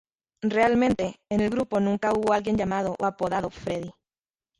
Realmente, en el grupo nunca hubo alguien llamado o apodado "Freddy".